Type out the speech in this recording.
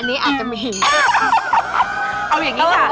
ดีมาก